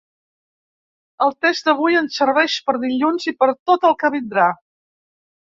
El test d’avui ens serveix per dilluns i per tot el que vindrà.